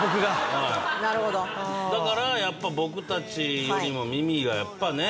はいああだからやっぱ僕達よりも耳がやっぱね